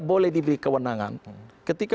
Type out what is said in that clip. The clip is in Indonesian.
boleh diberi kewenangan ketika